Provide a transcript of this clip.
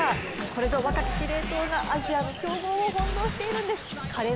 これぞ若き司令塔がアジアの強豪を翻弄しているんです。